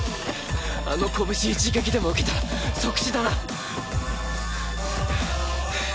あの拳一撃でも受けたら即死だな。